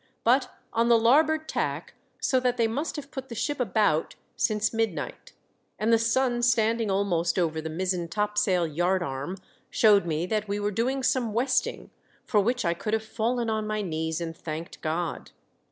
— but on the larboard tack, so that they must have put the ship about since mid night ; and the sun standing almost over the mizzen topsail yard arm showed me that we were doing some westing, for which I could have fallen on my knees and thanked God.